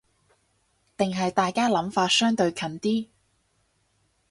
定係大家諗法相對近啲